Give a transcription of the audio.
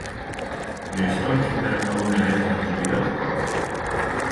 Ёй столькі перакалолі гэтых антыбіётыкаў!